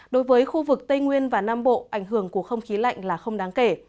đối với khu vực tây nguyên và nam bộ ảnh hưởng của không khí lạnh là không đáng kể